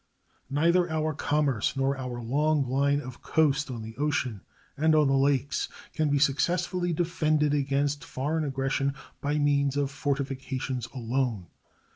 Neither our commerce nor our long line of coast on the ocean and on the Lakes can be successfully defended against foreign aggression by means of fortifications alone.